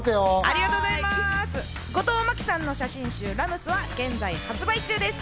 後藤真希さんの写真集『ｒａｍｕｓ』は現在、発売中です。